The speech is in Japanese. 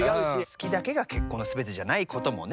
好きだけが結婚の全てじゃないこともね。